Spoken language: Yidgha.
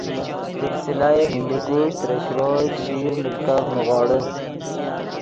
سلسلہ ہندوکش ترے شروئے، چیشیر ملکف نیغوڑے